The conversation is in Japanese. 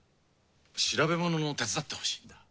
調べ物を手伝ってほしいんだ。